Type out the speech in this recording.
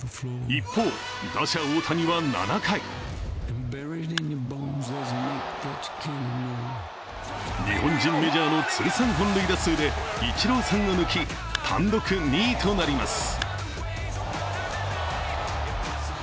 日本人メジャーの通算本塁打数でイチローさんを抜き単独２位となります。